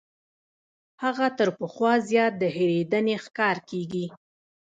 هغه تر پخوا زیات د هېرېدنې ښکار کیږي.